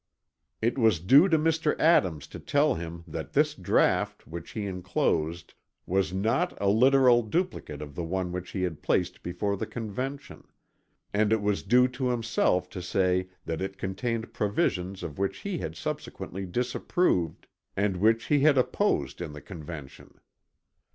It was due to Mr. Adams to tell him that this draught which he inclosed was not a literal duplicate of the one which he had placed before the Convention; and it was due to himself to say that it contained provisions of which he had subsequently disapproved and which he had opposed in the Convention.